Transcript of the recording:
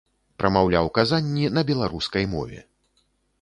Прамаўляў казанні на беларускай мове.